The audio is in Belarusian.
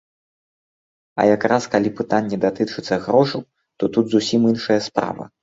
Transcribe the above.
А як раз калі пытанне датычыцца грошаў, то тут зусім іншая справа.